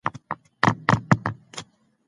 خلګ څنګه جرګې ته خپل شکایتونه رسوي؟